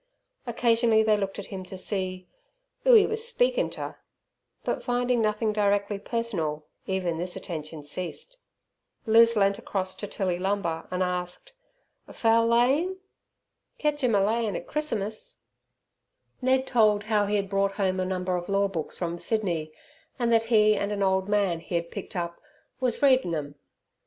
Occasionally they looked at him to see "'oo 'e wus speakin' ter", but finding nothing directly personal, even this attention ceased. Liz leant across to Tilly Lumber and asked, "Fowl layin'?" "Ketch 'em er layin' et Chrissermus." Ned told how he had brought home a number of law books from Sydney, and that he and an old man he had picked up "wus readin' 'em".